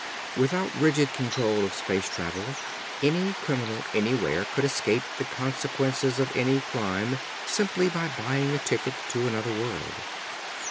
Without rigid control of space travel, any criminal anywhere could escape the consequences of any crime simply by buying a ticket to another world.